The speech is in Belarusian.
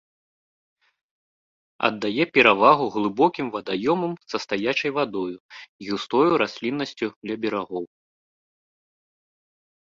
Аддае перавагу глыбокім вадаёмам са стаячай вадою і густой расліннасцю ля берагоў.